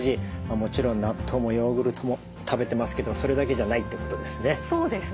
もちろん納豆もヨーグルトも食べてますけどそれだけじゃないってことですね。